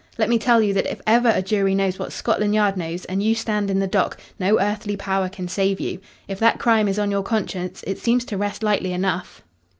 Let me tell you that if ever a jury knows what Scotland Yard knows and you stand in the dock, no earthly power can save you. If that crime is on your conscience it seems to rest lightly enough."